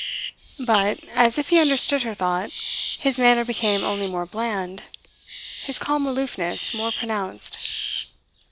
But, as if he understood her thought, his manner became only more bland, his calm aloofness more pronounced.